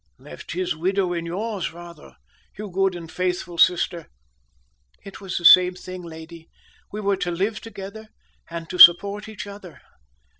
"Left his widow in yours, rather, you good and faithful sister." "It was the same thing, lady; we were to live together, and to support each other."